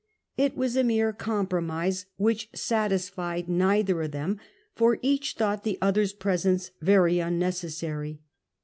It was a mere compromise, which satisfied neither of them, for each thought the other's presence very unnecessary.